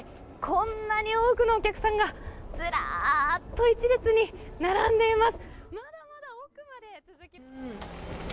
こんなに多くのお客さんがずらーっと１列に並んでいます。